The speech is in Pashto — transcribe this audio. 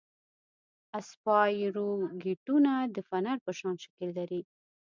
اسپایروکیټونه د فنر په شان شکل لري.